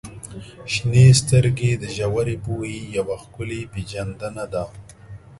• شنې سترګې د ژورې پوهې یوه ښکلې پیژندنه ده.